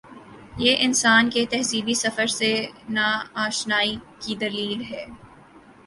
یہ انسان کے تہذیبی سفر سے نا آ شنائی کی دلیل ہے۔